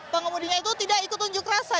pengemudinya itu tidak ikut unjuk rasa